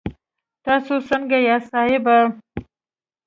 تاسو سنګه یاست صاحبه